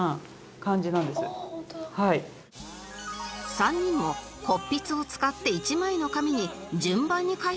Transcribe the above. ３人も骨筆を使って一枚の紙に順番に書いてみました